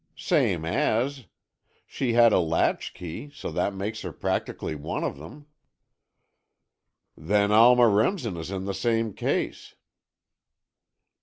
"Same as. She has a latchkey, so that makes her practically one of them." "Then Alma Remsen is in the same case."